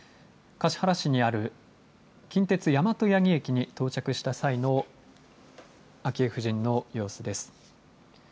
橿原市にある近鉄大和八木駅に到着した際の昭恵夫人の様子です。